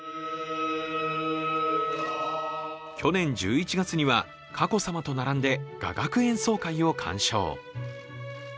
去年１１月には佳子さまと並んで雅楽演奏会を鑑賞。